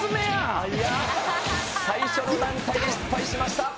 最初の段階で失敗しました。